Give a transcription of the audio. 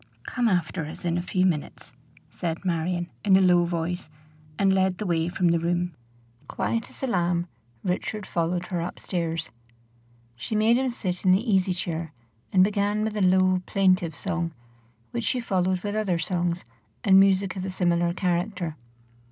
"Come after us in a few minutes," said Marion, in a low voice, and led the way from the room. Quiet as a lamb Richard followed her up stairs. She made him sit in the easy chair, and began with a low, plaintive song, which she followed with other songs and music of a similar character.